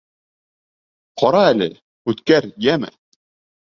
Ҡара әле, үткәр, йәме!